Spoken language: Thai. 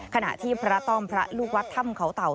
ขณะที่พระต้อมพระลูกวัดถ้ำเขาเต่า